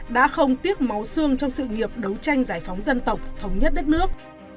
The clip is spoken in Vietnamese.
đã không tiếc máu xương trong sự nghiệp đấu tranh giải phóng dân tộc thống nhất đất nước